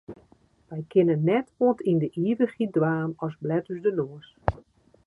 Wy kinne net oant yn de ivichheid dwaan as blet ús de noas.